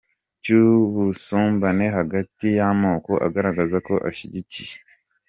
cy’ubusumbane hagati y’amoko, agaragaza ko ashyigikiye.